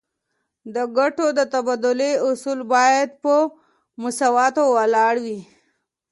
د ګټو د تبادلې اصل باید په مساواتو ولاړ وي